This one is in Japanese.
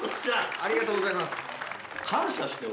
ありがとうございます